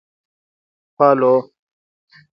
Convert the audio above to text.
Follow